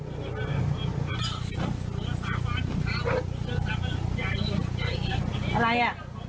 เฮ่ยคุณเกี่ยว